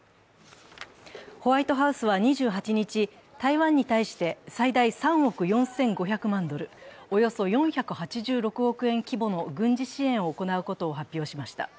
ホワイトハウスは２８日、台湾に対して最大３億４５００万ドル、およそ４８６億円規模の軍事支援を行うことを発表しました。